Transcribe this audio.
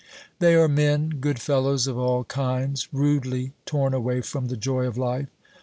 They are men, good fellows of all kinds, rudely torn away from the joy of life.